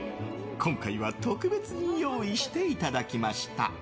今回は特別に用意していただきました。